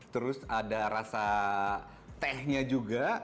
terus ada rasa tehnya juga